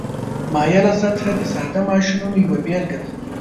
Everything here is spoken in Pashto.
مایله سطحه د ساده ماشینونو یوه بیلګه ده.